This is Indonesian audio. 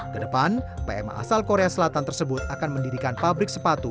kedepan pma asal korea selatan tersebut akan mendirikan pabrik sepatu